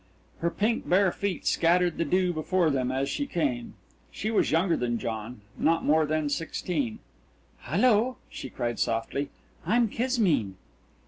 Her pink bare feet scattered the dew before them as she came. She was younger than John not more than sixteen. "Hello," she cried softly, "I'm Kismine."